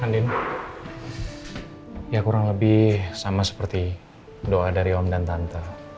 ya kurang lebih sama seperti doa dari om dan tante